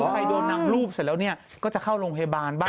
ใครโดนนำรูปเสร็จแล้วเนี่ยก็จะเข้าโรงพยาบาลบ้าง